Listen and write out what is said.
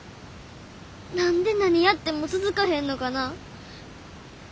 何で何やっても続かへんのかな。